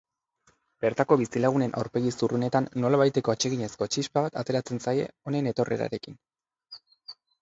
Bertako bizilagunen aurpegi zurrunetan, nolabaiteko atseginezko txispa bat ateratzen zaie honen etorrerarekin.